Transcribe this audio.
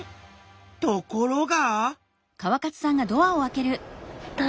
ところが！